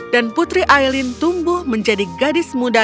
dan putri aileen tumbuh menjadi gadis muda